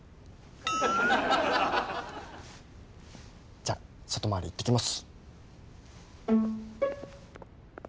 じゃあ外回り行ってきます。